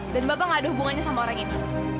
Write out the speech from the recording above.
dan bapak mengadu hubungannya sama orang ini